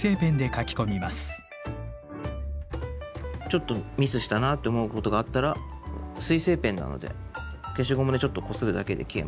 ちょっとミスしたなって思うことがあったら水性ペンなので消しゴムでちょっとこするだけで消えます。